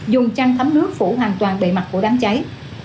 dùng chăn thấm nước phủ hoàn toàn bề mặt của đám cháy